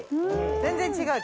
全然違う。